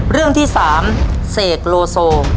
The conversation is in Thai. เรื่องที่๓เสกโลโซ